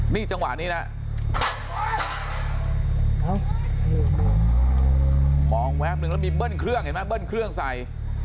นี่จังหวะนี้นะมองแวบนึงแล้วมีเบิ้ลเครื่องเห็นไหมเบิ้ลเครื่องใส่